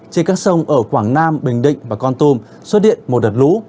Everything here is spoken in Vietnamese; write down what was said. trên các sông ở quảng nam bình định và con tùm xuất điện một đợt lũ